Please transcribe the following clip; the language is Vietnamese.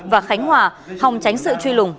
và khánh hòa hòng tránh sự truy lùng